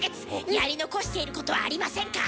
やり残していることはありませんか？